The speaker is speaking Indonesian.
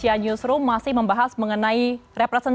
hanya kerempuan tambah menang misalnya martinou